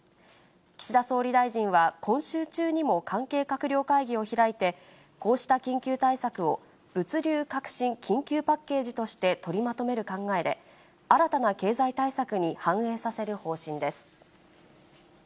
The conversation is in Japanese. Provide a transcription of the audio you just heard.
岸田総理大臣は今週中にも関係閣僚会議を開いて、こうした緊急対策を物流革新緊急パッケージとして取りまとめる考えで、新たな経済対策に反映させる方針です。